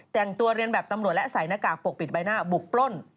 แต่งตัวเรียนแบบตำรวจและใส่หน้ากากปกปิดใบหน้าบุกปล้น